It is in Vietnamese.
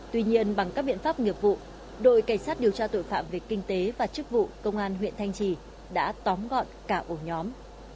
tuy nhiên bằng các biện pháp nghiệp vụ đội cảnh sát điều tra tội phạm về kinh tế và chức vụ công an huyện thanh trì đã tóm gọn cả ổ nhóm